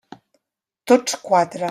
Tots quatre.